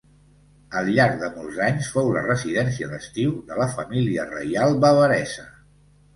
Al llarg de molts anys fou la residència d'estiu de la família reial bavaresa.